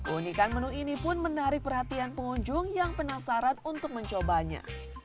unikan menu ini pun menarik perhatian pengunjung yang penasaran untuk mencobanya